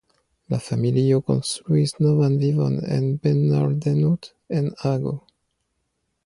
La familio konstruis novan vivon en Benoordenhout en Hago.